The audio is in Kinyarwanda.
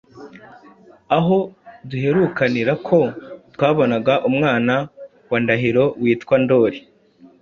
Aho duherukanira ko twabonaga umwana wa Ndahiro witwa Ndoli,